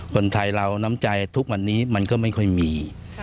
คนไทยเราน้ำใจทุกวันนี้มันก็ไม่ค่อยมี